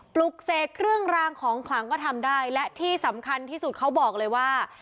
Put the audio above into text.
ปลุกเสกเครื่องรางของขลังก็ทำได้และที่สำคัญที่สุดเขาบอกเลยว่า